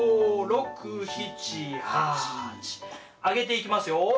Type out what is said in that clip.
上げていきますよ。